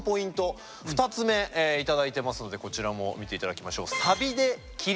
２つ目頂いてますのでこちらも見て頂きましょう。